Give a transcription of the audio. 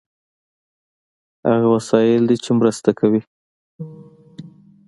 هغه وسایل دي چې مرسته کوي.